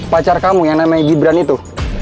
pacar kamu yang namanya gibran itu